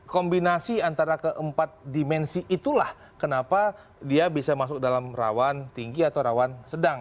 kombinasi antara keempat dimensi itulah kenapa dia bisa masuk dalam rawan tinggi atau rawan sedang